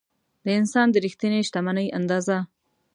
د انسان د رښتینې شتمنۍ اندازه.